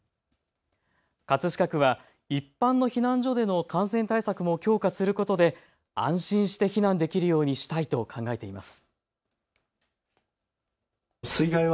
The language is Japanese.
葛飾区は一般の避難所での感染対策も強化することで安心して避難できるようにしたいと考えています。